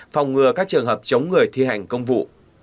phòng ngừa các trường hợp chống người thi hành công vụ